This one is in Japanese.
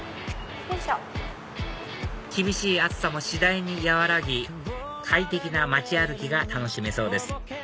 厳しい暑さも次第にやわらぎ快適な街歩きが楽しめそうです